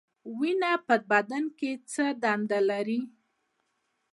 وینه په بدن کې څه دنده لري؟